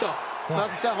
松木さん